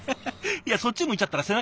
いやそっち向いちゃったら背中しか。